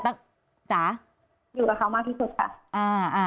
อยู่กับเขามากที่สุดค่ะ